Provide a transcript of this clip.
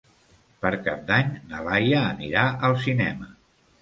Per Cap d'Any na Laia anirà al cinema.